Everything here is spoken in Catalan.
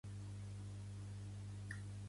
Pertany al moviment independentista la Melina?